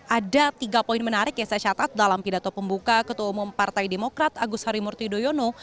ada tiga poin menarik yang saya catat dalam pidato pembuka ketua umum partai demokrat agus harimurti yudhoyono